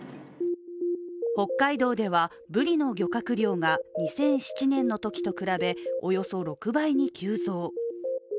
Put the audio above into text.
北海道では、ブリの漁獲量が２００７年のときと比べ、およそ６倍に急増。